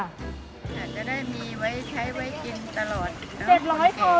อาจจะได้มีไว้ใช้ไว้กินตลอด๗๐๐คอ